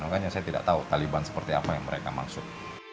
makanya saya tidak tahu taliban seperti apa yang mereka maksud